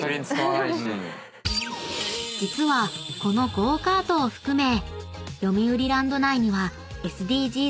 ［実はこのゴーカートを含めよみうりランド内には］